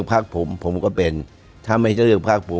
ผมจะเป็นไม่ได้